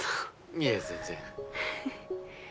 いえ全然。